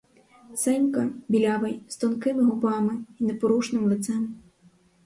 Сенька — білявий, з тонкими губами й непорушним лицем.